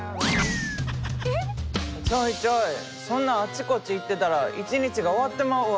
ちょいちょいそんなあっちこっち行ってたら一日が終わってまうわ。